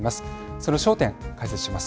その焦点、解説します。